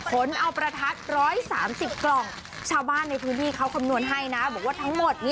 ขนเอาประทัด๑๓๐กล่องชาวบ้านในพื้นที่เขากำนวนให้นะ